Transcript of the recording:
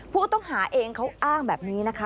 ผู้ต้องหาเองเขาอ้างแบบนี้นะคะ